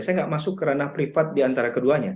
saya nggak masuk ke ranah privat di antara keduanya